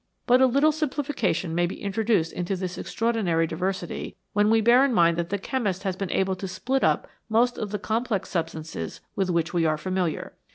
But a little simplification may be introduced into this extraordinary diversity when we bear in mind that the chemist has been able to split up most of the complex substances with which we are familiar.